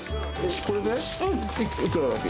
これで、いくらだっけ？